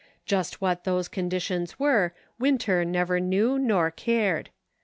Just what those conditions were, Win ter neither knew nor cared.